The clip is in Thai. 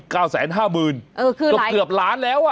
ก็เกือบล้านแล้วอะ